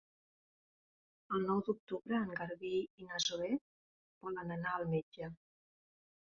El nou d'octubre en Garbí i na Zoè volen anar al metge.